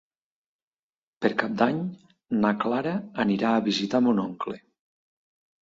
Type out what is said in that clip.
Per Cap d'Any na Clara anirà a visitar mon oncle.